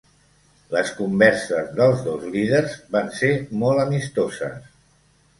Les converses dels dos líders van ser molt amistoses.